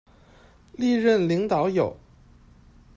历任领导有：